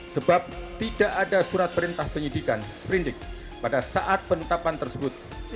sebab tidak ada surat perintah penyidikan seperindik pada saat penetapan tersebut